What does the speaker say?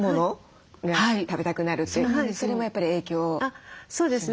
それもやっぱり影響しますか？